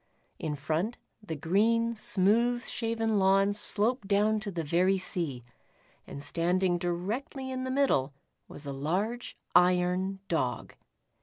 In front, the green, smooth shaven lawn sloped down to the very sea, and standing directly in the middle was a large iron Dog.